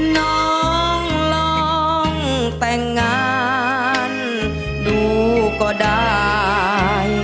น้องลองแต่งงานดูก็ได้